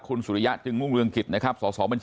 คุณสุริยะจึงมุ่งเรืองกิจนะครับ